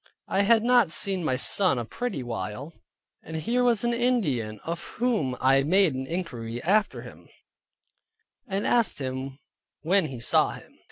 I had not seen my son a pretty while, and here was an Indian of whom I made inquiry after him, and asked him when he saw him.